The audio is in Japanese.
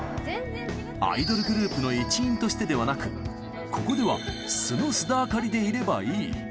アイドルグループの一員としてではなく、ここでは素の須田亜香里でいればいい。